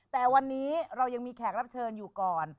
แต่วันนี้เรายังมีแขกรับเชิญอยู่ก่อน